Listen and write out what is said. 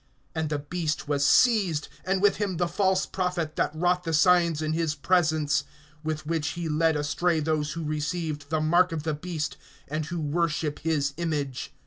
(20)And the beast was seized, and with him the false prophet that wrought the signs in his presence, with which he led astray those who received the mark of the beast, and who warship his image.